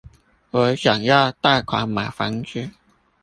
我想要貸款買房子